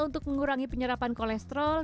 untuk mengurangi penyerapan kolesterol